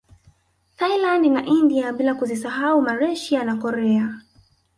Thailand na India bila kuzisahau Malaysia na Korea